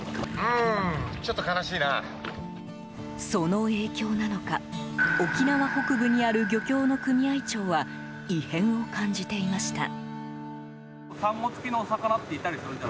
その影響なのか沖縄北部にある漁協の組合長は異変を感じていました。